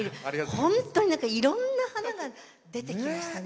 本当にいろんな「花」が出てきましたね